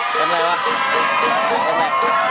เป็นอะไรวะ